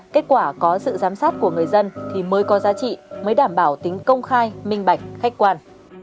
kết quả có sự giám sát của người dân thì mới có giá trị mới đảm bảo tính công khai minh bạch khách quan